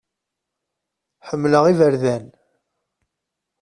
Ḥemmleɣ iberdan.